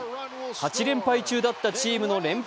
８連敗中だったチームの連敗